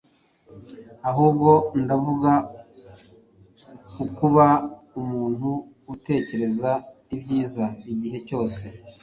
ahubwo ndavuga ku kuba umuntu utekereza ibyiza igihe cyose.